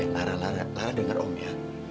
eh lara lara lara dengar om ya